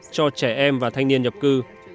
cho trẻ em và thanh niên nhập cư